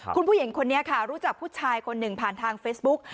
คุณผู้หญิงคนนี้ค่ะรู้จักผู้ชายคนหนึ่งผ่านทางเฟซบุ๊ก